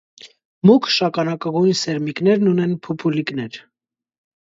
Մուգ շագանակագույն սերմիկներն ունեն փուփուլիկներ։